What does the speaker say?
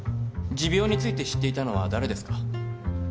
持病について知っていたのは誰ですか？